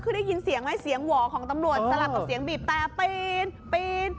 ก็คือได้ยินเสียงหวอของตำรวจสลับต่อเสียงบีบแปลปีน